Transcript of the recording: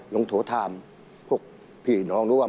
ลงโทษท่ามพวกพี่น้องร่วม